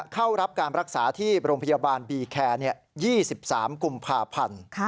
เข้ารับการรักษาที่โรงพยาบาลบีแคร์๒๓กุมภาพันธ์